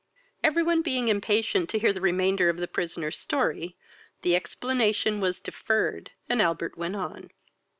Every one being impatient to hear the remainder of the prisoner's story, the explanation was deferred, and Albert went on.